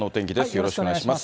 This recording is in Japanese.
よろしくお願いします。